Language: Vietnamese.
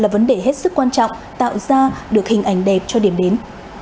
vấn đề hết sức quan trọng tạo ra được hình ảnh đẹp cho điểm đến